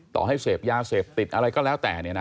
ต่อให้เสพยาเสพติดอะไรก็แล้วแต่